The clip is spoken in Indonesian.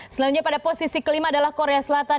selanjutnya pada posisi kelima adalah korea selatan